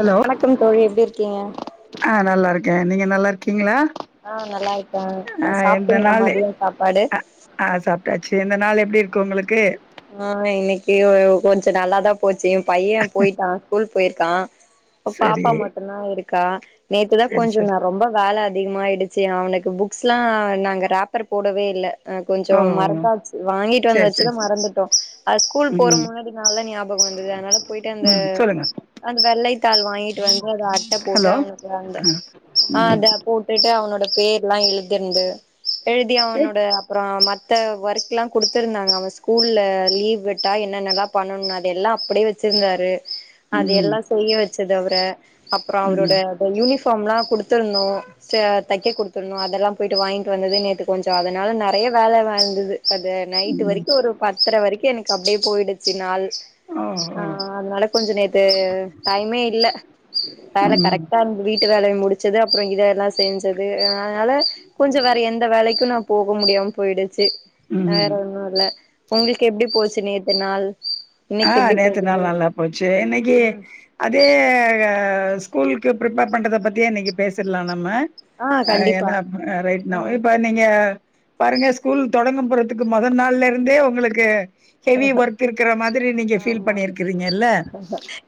Hello வணக்கம் தோழி எப்டிருக்கீங்க ஆ நல்லாருக்க நீங்க நல்லாருக்கீங்ளா ஆ நல்லாருக்கே சாப்பிட்டீங்களா நாளு மதியம் சாப்பாடு அ ஆ சாப்ட்டாச்சு இந்த நாள் எப்படி இருக்கு உங்களுக்கு ஆ இன்னைக்கு கொஞ்சோ நல்லாதா போச்சு என் பையன் போயிட்டான் ஸ்கூல் போயிருக்கான் சரி பாப்பா மட்டுதா இருக்கா நேத்துதா சரி கொஞ்சோ சரி நா ரொம்ப வேல அதிகமாயிடுச்சு சே அவனுக்கு புக்ஸ்ல்லா நாங்க ரேப்பர் போடவே இல்ல ஆ கொஞ்சோ ஓ மறந்தாச்சு வாங்கிட்டு வந்து சரி வச்சதா சரி சரி மறந்து அ ஸ்கூல் போற ம் முன்னாடி நல்ல ஞாபகம் வந்தது அனால போயிட்டு அந்த ம் சொல்லுங்க அந்த வெள்ளைத்தாள் வாங்கிட்டு வந்து அத அட்ட போட்டு ஹலோ அவனுக்கு அந்த ஆ ஆ ம் அத போட்டுட்டு அவனோட பேர்ல்லா எழுதிருந்து எழுதி கேக் அவனோட அப்றோ தா ஒர்க்கெல்லா குடுத்துருந்தாங்க அவன் ஸ்கூல்ல லீவ் விட்டா என்னன்னல்லா பண்ணணு அதல்லா அப்டியே வச்சிருந்தாரு அத ம் எல்லா புரிய வச்சது அவர அப்றோ அவரோட ம் அது யூனிஃபார்ம்ல்லா குடுத்தர்னும் ச தைக்க கொடுத்திருந்தோ அதெல்லா போயிட்டு வாங்கிட்டு வந்தது நேத்து கொஞ்சோ அதனால நெறைய வேலவா வந்தது அது நைட்டு ம் வரைக்கு ஒரு பத்தரை வரைக்கு எனக்கு அப்டியே போயிடுச்சு நாள் ஓ ஆ ஓ அதனால கொஞ்சோ நேத்து டைமே இல்ல வேல ம் கரெக்டா இரு வீட்டு வேலைய முடிச்சது அப்றம் இத எல்லா செஞ்சது அதனால கொஞ்சோ வேற எந்த வேலைக்கு நா போக முடியாம போயிடுச்சு ம் வேற ஒன்னு இல்ல உங்களுக்கு எப்டி போச்சு நேத்து நாள் ஆ இன்னைக்கு எப்டி நேத்து போகுது நாள் நல்லா போச்சு இன்னைக்கு ம் அதே க ஸ்கூலுக்கு ப்ரிப்பேர் பண்றத பத்தியே இன்னைக்கு பேசிடலா நம்ம ஆ ஏன்ட அ ரைட் நா ஆ இப்ப நீங்க பாருங்க ஸ்கூல் தொடங்க போறதுக்கு மொதல் நாள்ல இருந்தே உங்களுக்கு ஹெவி ஒர்க் இருக்கிற மார் ஆமா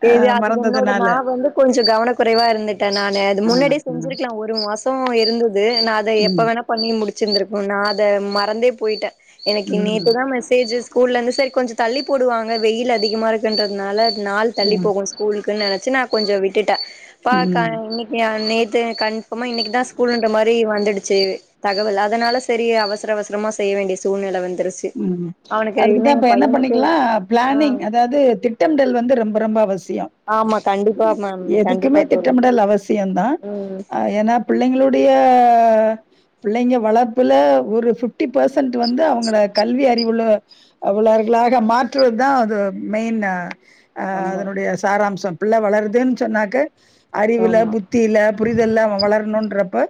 அ ஏது அது என்னோட மறந்ததுனால நா வந்து கொஞ்சோ கவன குறைவா இருந்துட்ட நாள அது ஆ முன்னாடியே ஆ செஞ்சிருக்கலா ஒரு மாச சோ இருந்துது நா அத எப்போ ம் வேணா பண்ணி முடிச்சிருந்திருக்கு நா அத மறந்தே போயிட்டே எனக்கு நேத்து ம் தா மெசேஜ் ஸ்கூல்ல இருந்து சரி கொஞ்ச தள்ளி போடுவாங்க வெயில் அதிகமா இருக்குன்றதுனால நாள் தள்ளி ம் போகு ஸ்கூலுக்குன்னு நெனைச்சு நா கொஞ்ச விட்டுட்டே பாக்கா ம் இன்னைக் யா நேத்து கன்ஃபார்மா இன்னைக்குதா ஸ்கூல்ன்ற மாரி வந்துடுச்சு தகவல் அதனால சரி அவசர அவசரமா செய்ய வேண்டிய சூழ்நிலை வந்துருச்சு அவனுக்கு இன்னு அதுக்குதா எ இப்ப என்ன பையனுக்கு பண்ணிக்கலா ஆ பிளானிங் அதாது திப் ட்டமிடல் வந்து ரொம்ப ரொம்ப அவசியோ ஆமா கண்டிப்பா மேம் கண்டிப்பா எதுக்குமே தோழி திட்டமிடல் அவசியோ தா ம் அ ஏனா பிள்ளைங்களுடைய பிள்ளைங்க வளர்ப்புல ஒரு பிஃப்டி பெர்சன்ட் வந்து அவுங்கள கல்வி அறிவுல்ல உள்ளவர்களாக மாற்றுவது தா அது மெயின் ஆ ஆ ஆமா அதனுடைய சாராம்சம் பிள்ளை வளருதுன்னு சொன்னாக்க அறிவுல ஆமா புத்தில புரிதல்ல வளரணும்ன்றப்ப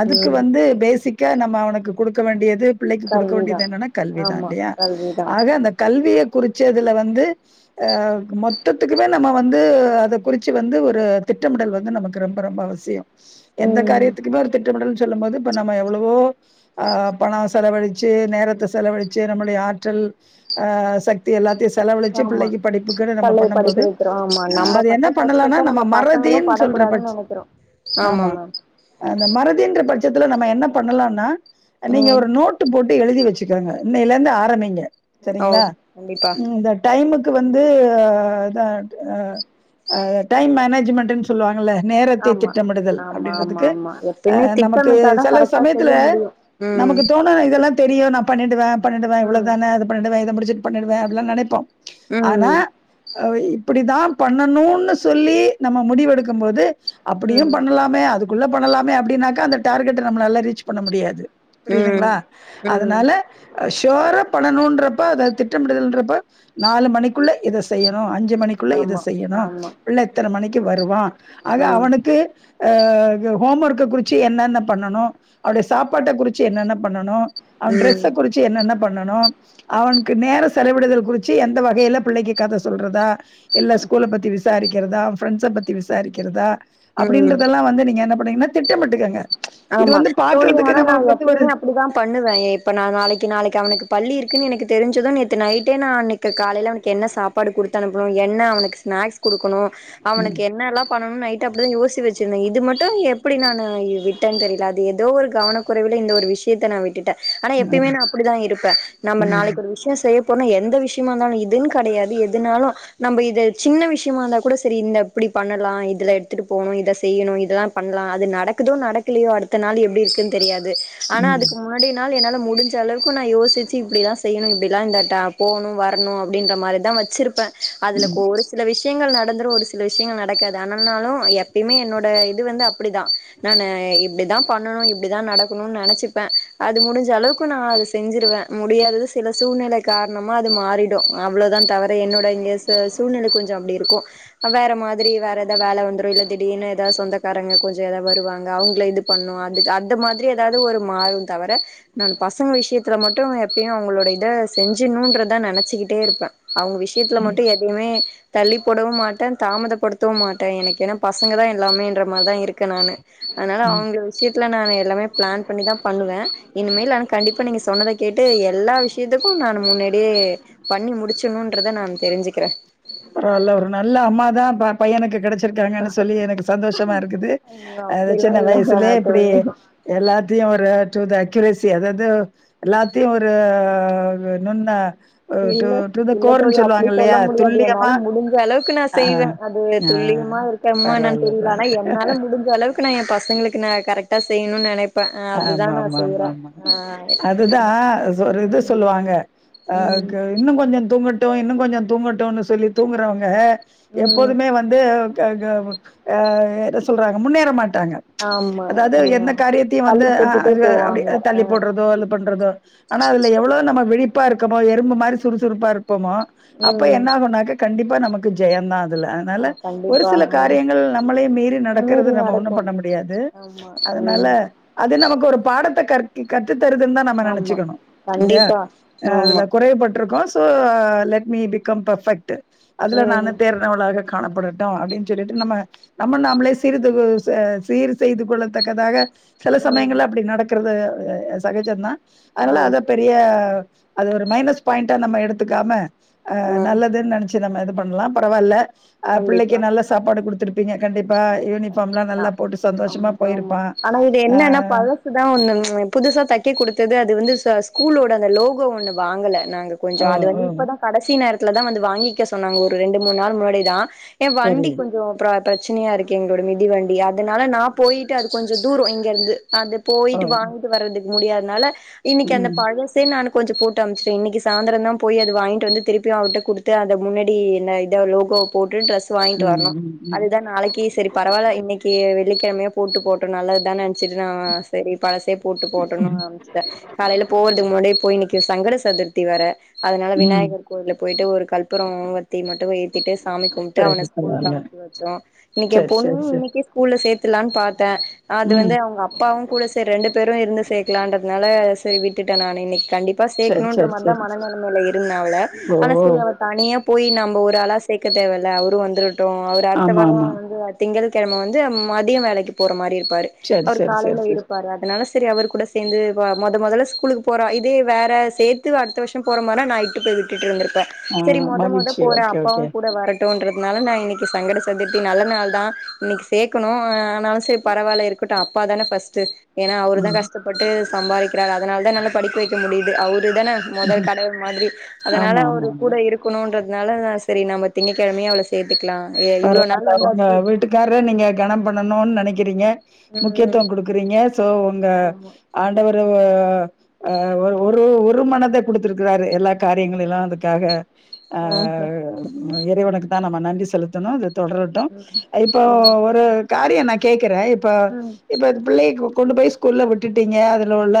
அதுக்கு ம் வந்து பேசிக் கா நம்ம அவனுக்கு குடுக்க வேண்டியது பிள்ளைக்கு குடுக்க கல்விதா வேண்டியது என்னன்னா கல்விதா ஆமா இல்லையா கல்விதா ஆ து அந்த கல்விய குறிச்சதுல வந்து மொத் த்தத்துக்குமே நம்ம வந்து அத குறிச்சு வந்து ஒரு திட்டமிடல் வந்து நமக்கு ரொம்ப ரொம்ப அவசியோ எந்த ம் காரியத்துக்குமே ஒரு திட்டமிடல் சொல்லும் போது இப்ப நம்ம எவ்வளவோ பணோ செலவழிச்சு நேரத்த ஸ் செலவழிச்சு நம்முடைய ஆற்றல் ஆ சக் தி எல்லாத்தையு செலவழிச்சு ஆமா பிள்ளைக்கு படிப்புக்கு நம்ம பள்ளைய பண்ணும் படிக்க போது வைக்கிறோ ஆமா அது என்ன பண்ணலா நம்ம மறதின் டகூடாதுன்னு நெனைக்கிறோ ஆமா மேம் அந்த மறதின்ற பட்சத்துல நம்ம என்ன பண்ணலானா நீங்க ம் ஒரு நோட்டு போட்டு எழுதி வச் சுருங்க இன்னைல இருந்து ஆரம்பிங்க ஓ சரிங்களா கண்டிப்பா ம் இதா டைமுக்கு வந்து தா அதா டைம் மேனேஜ்மெண்ட்டுன் ஸ் சொல்லுவாங்கல நேரத்தை ஆமா திட்டமிடுதல் ஆமா ஆமா அப்படின்றதுக்கு ஆமா அ எப்பயுமே நமக்கு திட்டமிட்டாதா சில கரெக்டா சமயத்துல செய்ய முடியு ம் நமக்கு தோணனு இதெல்லா தெரியு ந பண்ணிடுவே பண்ணிடுவே இவ்வளோ ம் தானே அத பண்ணிடுவே இத முடிச்சு பண்ணிடுவே அப்டிலா நெனைப்போ ஆனா ம் அ இப்படித்தா பண்ணணுன்னு சொல்லி நம்ம முடிவெடுக்கும்போது அப்படியு பண்ணலாமே அதுக்குள்ள பண்ணலாமே அப்டின்னாக்கா அந்த டார்கெட்ட நம்மலால ரீச் பண்ண முடியாது ம் ம் புரியுதுங்களா ம் அதனால அ ஷியோரா பண்ணணுன்றப்ப அதாவது திட்டமிடுதல்ன்றப்ப நாலு மணிக்குள்ள இத செய்யணு அஞ்சு மணிக்குள்ள இத ஆமா செய்யணு ஆமா புள்ள இத்தன மணிக்கு வருவா ஆக ஆ அவனுக்கு அ ஹோம் ஒர்க்க குறிச்சு என்னன்ன பண்ணனு அவருடைய சாப்பாட்ட குறச்சு என்னென்ன பண்ணனு அவன் ம் ட்ரெஸ்ஸ குறிச்சு என்னென்ன பண்ணனு அவனுக்கு நேர செலவிடுதல் குறச்சு எந்த வகையில பிள்ளைக்கு கத சொல்றதா இல்ல ஸ்கூல பத்தி விசாரிக்கிறதா ஃரெண்ட்ஸ பத்தி விசாரிக்கிறதா ம் அப்டின்றதெல்லா வந்து நீங்க என்ன பண்ணீங்கன்னா திட்டமிட்டுக்கங்க இது ஆமா வந்து தோழி பாக்குறதுக்கு ஆனா நா நமக்கு வந்து ஒரு எப்பயுமே அப்படிதா பண்ணுவே இப்ப நான் நாளைக்கு நாளைக்கு அவனுக்கு பள்ளி இருக்குன்னு எனக்கு தெரிஞ்சது நேத்து நைட்டே நா அன்னைக் கு காலைல அவனுக்கு என்ன சாப்பாடு குடுத்து அனுப்பனு என்ன அவனுக்கு ஸ்நாக்ஸ் குடுக்கணு ம் அவனுக்கு என்னெல்லா பண்ணணு நைட்டு அப்டிதா யோசி வச்சிருந்தே இது மட்டு எப்டி நானு விட் டேனு தெரில அது ஏதோ ஒரு கவனக்குறைவில இந்த ஒரு விஷயத்த நா விட்டுட்டே ஆனா எப்பயுமே ம் நா அப்படிதா இருப்பே நம்ம ம் நாளைக்கு ஒரு விஷயோ செய்ய போனா எந்த விஷயமா இருந்தாலு இதுன்னு கெடையாது எதுனாலு நம்ப இத சின்ன விஷயமா இருந்தா கூட சரி இந்த இப்டி பண்ணலா இதுல எடுத்துட்டு போணு இத செய்யணு இதலா பண்ணலாம் அது நடக்குதோ நடக்கலையோ அடுத்த நாள் எப்டி இருக்குன்னு தெரியாது ஆனா ம் அதுக்கு முன்னாடி நாள் என்னால முடிஞ்ச அளவுக்கு நான் யோசிச்சு இப்டிலல்ல செய்யணும் இப்டிலாம் இந்த ட போகணும் வரணும் அப்டின்ற மாதிரி தான் வச்சிருப்பேன் அதுல ம் ஒரு சில விஷயங்கள் நடந்துரும் ஒரு சில விஷயங்கள் நடக்காது ஆனனாலும் எப்பயுமே என்னோட இது வந்து அப்டிதான் நானு இப்டிதான் பண்ணணும் இப்டிதான் நடக்கணும்னு நினைச்சிப்பேன் அது முடிஞ்ச அளவுக்கு நான் அத செஞ்சிருவேன் முடியாது சில சூழ்நிலை காரணமா அது மாறி டும் அவ்ளோதான் தவிர என்னோட இந்த சூழ்நிலை கொஞ்சம் அப்டி இருக்கும் வேற மாதிரி வேற ஏதாவ் வேல வந்துரும் இல்ல திடீன்னும் ஏதாவது சொந்தக்காரங்க கொஞ்சம் ஏதாவ் வருவாங் க அவங்கள இது பண்ணும் அதுக்கு அந்த மாதிரி ஏதாவ்து ஒரு மாறும் தவிர நான் பசங்க விஷயத்துல மட்டும் எப்பயும் அவங்களோட இத செஞ்சணும்ன்றதான் நெனைச்சுகிட்டே இருப்பே அவுங்க விஷயத்துல ம் மட்டும் எதையுமே தள்ளி போடவும் மாட்டேன் தாமதப்படுத்தவும் மாட்டேன் எனக்கு ஏன்னா பசங்க தான் இல்லாமேன்ற மாரி தான் இருக் அதனால ம் அவுங்க விஷயத்துல நான் எல்லாமே பிளான் பண்ணிதான் பண்ணுவேன் இனிமேல் நான் கண்டிப்பா நீங்க சொன்னத கேட்டு எல்லா விஷயத்துக்கும் நான் முன்னாடியே பண்ணி முடிச்சணும்ன்றத நான் தெரிஞ்சுக்கிறேன் பரவால்ல ஒரு நல்ல அம்மாதான் பையனுக்கு கிடைச்ச விட்ருக்காங்கன்னு சொல்லி எனக்கு சந்தோஷமா இருக்குது ஐயோ அ அப்டிலா சின்ன வயசுலயே இல்ல இப்டி தோழி எல்லாத்தையும் ஒரு ஆ டு அக்யூரெசி அதாது எல்லாத்தையும் ஒரு நுண்ண டு இல்ல டு த இல்லத் தோழி கோர்ன்னு அப்டி சொல்லுவாங்க சொல்ல இல்லையா முடியாது என்னால துல்லியமா முடிஞ்ச அளவுக்கு நான் ஆ செய்வேன் அது ஆ துல்லியமா இருக்கமோ என்னு பரவால்ல தெரில ஆனா பரவா என்னால முடி ஞ்ச அளவுக்கு நா என் பசங்களுக்கு நான் கரெக்டா செய்யனும்னு நெனைப் ஆமா ஆமா ஆமா ஆமா அதுதான் ஒரு இது சொல்லுவாங்க ஆ ம் இது இன்னும் கொஞ்சம் தூங்கட்டும் இன்னும் கொஞ்சம் தூங்கட்டும்னு சொல்லி தூங்குறவங்க ம் எப்போதுமே வந் து அது ப ஆ என்ன சொல்றாங்க முன்னேற மாட்டாங்க ஆமா அதாவது ஆ என்ன காரியத்தையும் வந்து தள்ளி ஆ போட்டுட்டே அது ஆ அப்டி போவாங்க ஆ தள்ளி போடுறது தோ அது பண்றதோ ஆனா அதுல எவ்ளோ நம்ம விழிப்பா இருக்கமோ எறும்பு மாரி சுறுசுறுப்பா இருப்போமோ அப்ப ம் என்ன ஆகனாக்க கண்டிப்பா நமக்கு ஜெயம்தான் அதுல ஆ அதனால ஒரு கண்டிப்பா சில ஆ காரியங்கள் நம்மளே மீறி நடக்கறது நம்ம ஒண்ணும் பண்ண முடியாது ஆமா ம் இது நமக்கு ஒரு பாடத்த கற்பி கற்றுத்தருதுன்னு தான் நம்ம ஆமா நெனச்சுக்கணும் இல்லயா கண்டிப்பா அதுல ஆமா குறையப்பட்டிருக்கோம் so let me become perfect அதுல நா ம் தேர் உலக காணப்படட்டும் அப்டின்னு சொல்லிட்டு நம்ம நம்ம நாமளே சீர்துகு அ சீர் செய்து கொள்ளத்தக்கதாக சில ம் சமயங்கள்ள அப்டி நடக்குறது சகஜம் தான் ஆ அதனால அத பெரிய அது ஒரு மைனஸ் பாயிண்டா நம்ம எடுத்துக்காம ஆ நல்லதுன்னு நெனச் ச்சி நம்ம இது பண்ணலாம் பரவால்ல ஆ புள்ளைக்கு கண்டிப்பா நல்ல சாப்பாடு குடுத்துருக் ப்பீங்க கண்டிப்பா யூனிஃபார்ம் எல்லா ஆ நல்லா போட்டு சந்தோஷமா ஆமா ஆமா போயிருப்பான் ஆனா இது என்னன்னா ஆஹ் பழசு தான் ஒண்ணு புதுசா தைக்கி கொடுத்தது அது வந்து ச ஸ்கூலோட அந்த லோகோ ஒண்ணு வாங்கல நாங்க ஓ கொஞ்சம் அது ஓ வந்து இப்பதான் கட சி நேரத்துல தான் வந்து வாங்கிக்க சொன்னாங்க ஒரு ரெண்டு மூணு நாள் முன்னாடிதான் என் சரி வண்டி கொஞ்சம் பிரச்சனயா இருக்கு எங்களோட மிதிவண்டி அதனால நா போயிட்டு அது கொஞ்ச தூரோ இங்க இருந்து அது ஓ போய்ட்டு வாங் வர்றதுக்கு முடியாதனால இன்னிக்கி அந்த ம் பழசு சேர் நா கொஞ்சம் போட்டு அனுப்ச்சேன் இன்னிக்கு சாயந்தர தான் போய் அது வாங்கிட்டு வந்து திருப்பியும் அவர்ட்ட குடுத்து அத முன்னாடி என்ன இத லோ கோ போட்டு டிரெஸ் வாங்கிட்டு ம் வரணு ம் அதுதா நாளைக்கு சேரி பரவால்ல இன்னிக்கு வெள்ளிக்கிழமையா போட்டு போட்டு நல்லதுதானு நென்ச்சிட்டு நா சேரி பழசே போட்டு போட்டுணு ம் அம்ச்சுட்ட காலைல போவறதுக்கு முன்னாடியே போய் இன்னைக்கு சங்கட சதுர்த்தி வேற அதனால ம் விநாயகர் கோயில்ல போயிட்டு ஒரு கல்பரோவத்தி மட்டு ஏத்திட்டு சாமி கும்ட்டு சரி அவன ஸ்கூலுக்கு பரவால்ல அம் ச்சு வச்சோ இன்னைக்கு எ சரி பொண்ணு சரி சரி இன்னைக்கே ஸ்கூல்ல சேத்துலானு பாத்த அது ம் வந்து அவுங்க அப்பாவு கூட சேரி ரெண்டு பேரு இருந்து சேக்கலான்றதுனால சேரி விட்டுட்ட நானு இன்னைக்கு கண்டிப் சரி சேக்கணு சரி மார் தா சரி மன சரி. நெலமைல இருந்த ஆவள ஓ சேரி அவ தனியா போய் நம்ம ஒரு ஆளா சேக்க தேவல்ல அவுரு வந்தரட்டு அ ஆமா வாரோ ஆமா வந்து திங்கள்கிழம வந்து மதியம் வேலைக்கு போற மாரி இருப்பாரு சரி அவர் சரி காலைல சரி சரி இருப்பாரு அதனால சேரி அவர் கூட சேந்து மொத மொதல்ல ஸ்கூலுக்கு போற இதே வேற சேத்து அடுத்த வருஷோ போற மாரினா நா இட்டு போய் விட்டு வந்துருப்ப ஆ சேரி மொத மொத மகிழ்ச்சி போற ஓகே அப்பாவு ஓகே கூட வரட்டுன்றதுனால நா இன்னைக்கு சங்கட சதுர்த்தி நல்ல நாள் தா இன்னைக்கு சேக்கணு ஆனாலு சேரி பரவால இருக்கட்டு அப்பாதான ஃபஸ்ட்டு ஏன்னா அவரு தா ம் கஷ்டப்பட்டு சம்பாதிக்கிறாரு அதனால தா நல்லா படிக்க வைக்க முடியுது அவரு தான மொதல் ம் கடவுள் மாதிரி அதனால ஆமா ஆமா அவரு ஆமா கூட இரு இருக்குணுன்றதுனாலா சேரி நம்ம திங்ககிழமையே அவள சேத்துக்கலா இவ்ளோ பரவாலங்க நாள் உங்க வந்தாச்சு வீட் டுக்கார நீங்க கனம் பண்ணணுனு நெனைக்கிறீங்க ம் முக்கியத்துவோ குடுக்குறீங்க சோ உங்க ஆமா ஆண்டவரு அ ஒரு ஒரு ஒரு மனத குடுத்திருக்குறாரு எல்லா காரியங்களிலு அதுக்காக ஆ ஹ இறைவனுக்கு தா நம்ம நன்றி செலுத்தணு தொடரட்டு ம் இப்போ ம் ஒரு காரியோ நா கேக்கற இப்ப ம் இப்போ பிள்ளைய கொண்டு போய் ஸ்கூல்ல விட்டுட்டீங்க அதுல உள்ள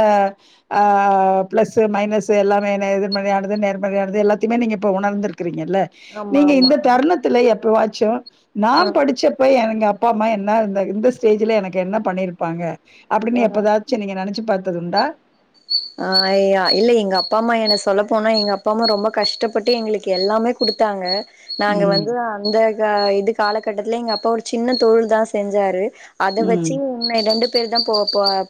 ஆ ப்ளஸ்ஸு மைனஸ்ஸு எல்லாமே எதிர்மரையானது நேர்மையானது எல்லாத்தையுமே நீங்க இப்போ உணர்ந்துக்குறீங்க இல்ல ஆமா நீங்க ஆமா இந்த தருணத்துல எப்ப வாச்சோ நா ஆ படிச்சப்ப எங்க அப் அப்பா அம்மா என்ன இந்த இந்த ஸ்டேஜ்ல எனக்கு என்ன பண்ணிருப்பாங்க அப்டின்னு ஆ எப்பதாது சரி நீங்க நெனச்சு பாத்ததுண்டா அ ஐயா இல்ல எங்க அப்பா அம்மா என்ன சொல்லப்போனா எங்க அப்பா அம்மா ரொம்ப கஷ்டப்பட்டு எங்களுக்கு எல்லாமே குடுத்தாங்க நாங்க ம் வந்து அந்த இது காலகட்டத்துல எங்க அப்பா ஒரு சின்ன தொழில் தா செஞ்சாரு அத வச்சு ம் ரெண்டு பேர் தா போ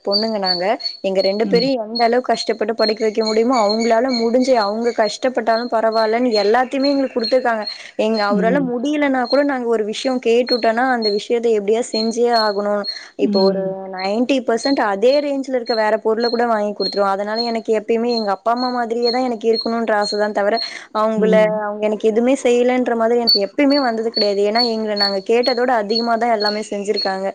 பொண்ணுங்க நாங்க எங்க ரெண்டு ம் பேரையு எந்த அளவு கஷ்டப்பட்டு படிக்க வைக்க முடியுமோ அவங்களால முடிஞ்சு அவங்க கஷ்டப்பட்டாலு பரவாயில்லன்னு எல்லாத்த எல்லாத்திமே எங்களுக்கு குடுத்துருக்காங்க எங்க அவரால ம் முடிஞ் முடியலனா கூட நாங்க ஒரு விஷ்ய கேட்டுட்டோன்னா அந்த விஷ்யத்த எப்டியா செஞ்சே ஆகணு இப்ப ஒரு ம் நைன்டி பெர்சன்ட் அதே ரேஞ்ச்ல இருக்க வேற பொருள கூட வாங் குடுத்துரு அதனால எனக்கு எப்பயுமே எங்க அப்பா அம்மா மாதிரியே தா எனக்கு இருக்கணுன்ற ஆச தா தவற அவுங்கல ம் அவங்க எனக்கு எதுமே செய்யலன்ற மாதிரி எனக்கு எப்பயுமே வந்தது கிடையாது ஏன்னா எங்கள நாங்க கேட்டதோட அதிகமா தா எல்லாமே செஞ்சிருக்காங்க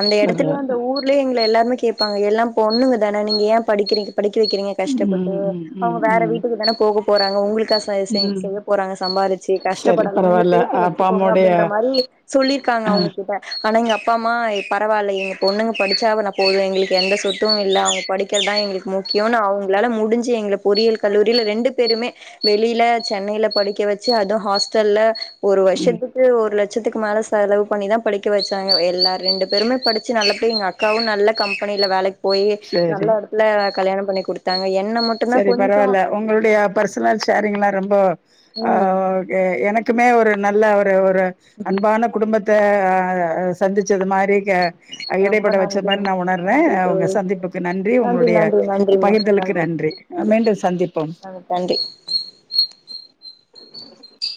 அந்த எடத்துலே பரவால்ல அந்த ஊர்லே எங்க எல்லாருமே கேப்பாங்க எல்லா பொண்ணுங்க தான நீங்க ஏ படிக்கிறீங்க படிக்க வைக்கிறீங்க ம் கஷ்டப்பட்டு ம் ம் அவங்க வேற ம் வீட்டுக்கு தான போக போறாங்க உங்களுக்கா ம் செய்ய போறாங்க சம்பாறிச் சரி கஷ்டப்படனு நீங்க பரவால்ல சேத்து அப்பா வவச்சுக்கோங்க அம்மாவுடைய அப்டின்ற மாரி சொல்லிருக்காங்க அ அவங்ககிட்ட ஆனா எங்க அப்பா அம்மா பரவால்ல எங்க பொண்ணுங்க படிச்சாவ ந போது எங்களுக்கு எந்த சொத்து இல்ல அவங்க படிப் கள் தா எங்களுக்கு முக்கியோ அவுங்களால முடிஞ்சு எங்ளுக் பொறியியல் கல்லூரில ரெண்டு பேருமே வெளில சென்னைல படிக்க வச்சு அதுவு ஹாஸ்டல்ல ஒரு ம் வருஷத்துக்கு ஒரு லட் சத்துக்கு மேல செலவு பண்ணிதா படிக்க வைச்சாங்க எல்லா ரெண்டு பேருமே படிச்சு நல்லபடியா எங்க அக் அக்கவு நல்ல கம்பெனில வேலைக்கு போய் நல்ல சரி எடத்துல கல்யாணம் பண்ணி கொடுத்தாங்க என்ன ம செரி பரவால்ல ஒங்களுடைய பர்சனல் ஷேரிங்லாம் ரொம்ப ஆ ம் அ எனக்குமே ஒரு நல்ல ஒரு ஒரு அன்பான குடும்பத்த ஆ சந்திச்சது மாதிரி ரொம்ப இடைப்பட வச்ச மாரி நன்றிங் நா உணர்றே நன்றி உங்க தோழி சந்திப்புக்கு நன்றி உங்களுடைய பகிர்தலுக்கு நன்றி மீண்டும் சந்திப்போ நன்றி